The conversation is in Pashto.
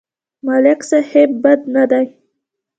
ملک صيب بد نه دی.